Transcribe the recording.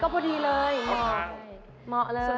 ก็พอดีเลยเหมาะเลย